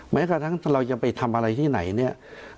แม้กระทั่งเราจะไปทำอะไรที่ไหนเนี่ย